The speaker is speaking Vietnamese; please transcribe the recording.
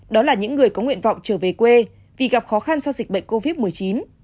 đó là những người có nguyện vọng trở về quê vì gặp khó khăn do dịch bệnh covid một mươi chín